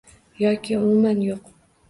Yoki umuman yo`q